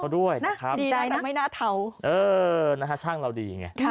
ดี